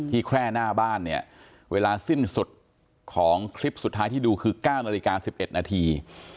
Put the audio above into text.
แค่หน้าบ้านเนี่ยเวลาสิ้นสุดของคลิปสุดท้ายที่ดูคือ๙นาฬิกา๑๑นาที